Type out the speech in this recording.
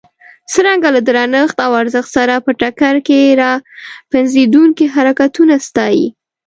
څرنګه له درنښت او ارزښت سره په ټکر کې را پنځېدونکي حرکتونه ستایي.